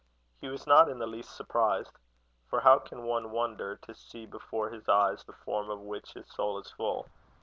He was not in the least surprised. For how can one wonder to see before his eyes, the form of which his soul is full?